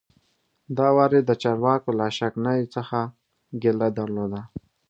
دا وار یې د چارواکو له کار شکنیو څخه ګیله درلوده.